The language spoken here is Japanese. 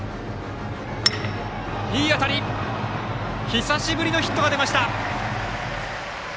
久しぶりのヒットが出ました。